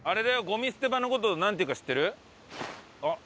ゴミ捨て場の事をなんていうか知ってる？